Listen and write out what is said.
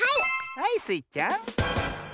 はいスイちゃん。